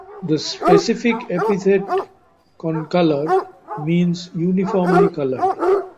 The specific epithet ("concolor") means "uniformly coloured".